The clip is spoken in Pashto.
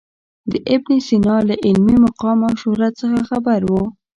د ابن سینا له علمي مقام او شهرت څخه خبر و.